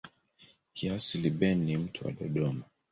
Kiasili Ben ni mtu wa Dodoma.